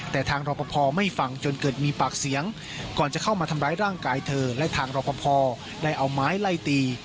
แต่ทางรอปภไม่ฟังจนเกิดมีปากเสียงก่อนจะเข้ามาทำร้ายร่างกายเธอและทางรอปภได้เอาไม้ไล่ตี